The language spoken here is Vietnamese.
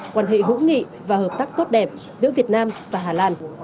quan hệ hữu nghị và hợp tác tốt đẹp giữa việt nam và hà lan